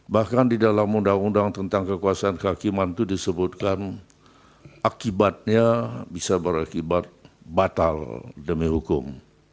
bahkan di dalam undang undang tentang kekuasaan kehakiman itu disebutkan akibatnya bisa berakibat batal demi hukum